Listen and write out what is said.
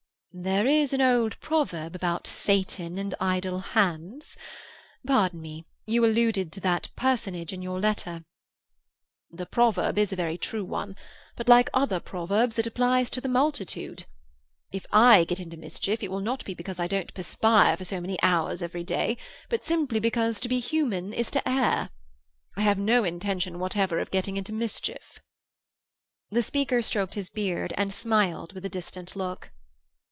"There is an old proverb about Satan and idle hands. Pardon me; you alluded to that personage in your letter." "The proverb is a very true one, but, like other proverbs, it applies to the multitude. If I get into mischief, it will not be because I don't perspire for so many hours every day, but simply because it is human to err. I have no intention whatever of getting into mischief." The speaker stroked his beard, and smiled with a distant look.